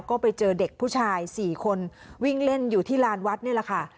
ก็ไปเจอเด็กผู้ชาย๔คนวิ่งเล่นอยู่ที่ลานวัดนี่แหละค่ะ